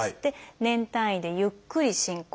年単位でゆっくり進行していく。